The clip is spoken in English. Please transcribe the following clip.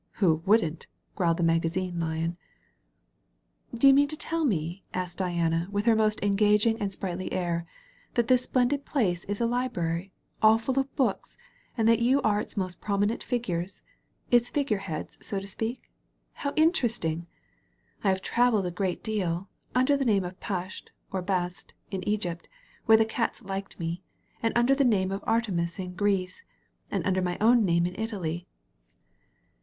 "Who wouldn't?" growled the Magazine Lion. "Do you mean to tell me," asked Diana, with her 226 DIANA AND THE LIONS most engaging and sprightly air, ^^that this splendid place is a Library, all full of books, and that you are its most prominent figures, its figureheads, so to speak? How interesting! I have travelled a great deal — ^under the name of Pasht or Bast, in Egypt, where the Cats liked me; and under the name of Artemis in Greece; and under my own name in Italy.